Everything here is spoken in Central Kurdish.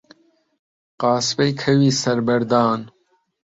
قاسپەی کەوی سەر بەردان